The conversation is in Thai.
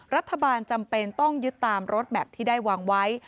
รัฐบาลจำเป็นต้องยึดตามรถแมพที่ได้วางไว้